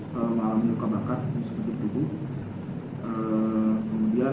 malam luka bakar di sekutu tubuh kemudian